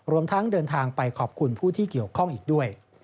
รวมทั้งเดินทางไปขอบคุณผู้ที่เกี่ยวข้องอีกด้วย